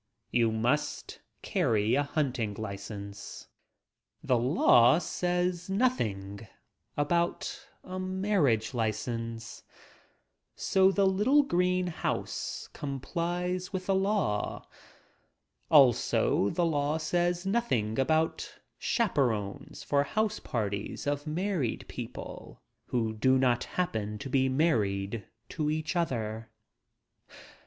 You must carry a hunting license. The law says nothing about a marriage license. So the little green house complies with the law. Also the law says nothing about chaperones for house parties of married people — who do not happen to be married to each other.